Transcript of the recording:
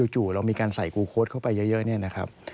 เรามีการใส่กูโค้ดเข้าไปเยอะเนี่ยนะครับ